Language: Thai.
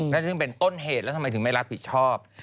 นั่นซึ่งเป็นต้นเหตุแล้วทำไมถึงไม่รับผิดชอบ